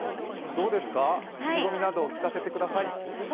どうですか、意気込みなどを聞かせてください。